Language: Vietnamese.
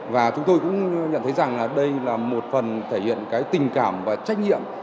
và chúng tôi cũng nhận thấy rằng là đây là một phần thể hiện cái tình cảm và trách nhiệm